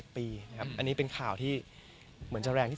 ก็มีไปคุยกับคนที่เป็นคนแต่งเพลงแนวนี้